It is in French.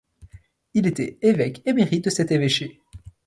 Il était évêque émérite de cet évêché.